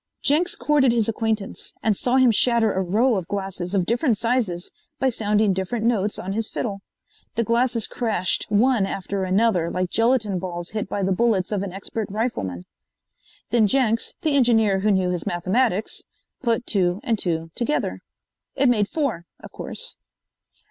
Jenks courted his acquaintance, and saw him shatter a row of glasses of different sizes by sounding different notes on his fiddle. The glasses crashed one after another like gelatine balls hit by the bullets of an expert rifleman. Then Jenks, the engineer who knew his mathematics, put two and two together. It made four, of course.